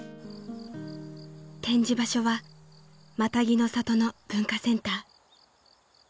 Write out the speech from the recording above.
［展示場所はマタギの里の文化センター］